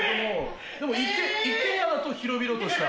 でも一軒家だと広々とした。